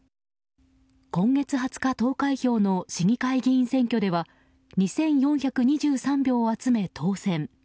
今月２０日投開票の市議会議員選挙では２４２３票を集め当選。